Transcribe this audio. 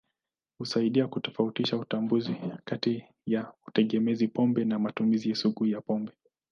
Husaidia kutofautisha utambuzi kati ya utegemezi pombe na matumizi sugu ya pombe.